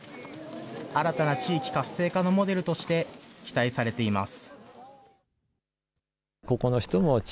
新たな地域活性化のモデルとして、期待されています。